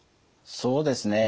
そうですね。